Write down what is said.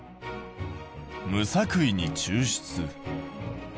「無作為に抽出」。